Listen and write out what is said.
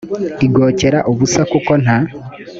igokera ubusa kuko nta